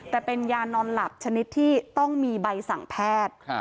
แต่เป็นยานอนหลับชนิดที่ต้องมีใบสั่งแพทย์